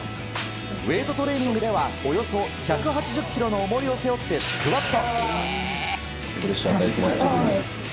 ウェートトレーニングではおよそ１８０ｋｇのおもりを背負ってスクワット。